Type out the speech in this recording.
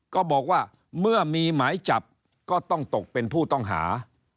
ก็บอกว่าเมื่อมีหมายจับก็ต้องตกเป็นผู้ต้องหา